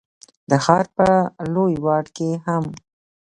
د ښار په لوی واټ کي هم،